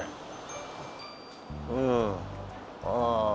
うんああ